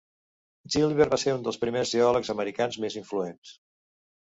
Gilbert va ser un dels primers geòlegs americans més influents.